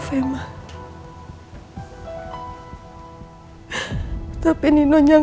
apa rica yang terbrareginya tuh